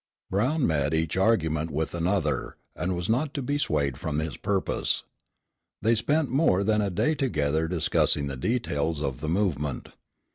Brown met each argument with another, and was not to be swayed from his purpose. They spent more than a day together discussing the details of the movement.